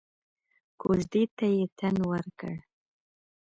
کوژدې ته يې تن ورکړ.